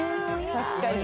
確かに。